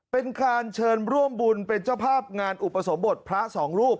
เป็นการเชิญร่วมบุญเป็นเจ้าภาพงานอุปสมบทพระสองรูป